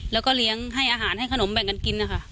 แล้วก็เลี้ยงให้อาหารให้ขนมแบ่งกันกินนะคะ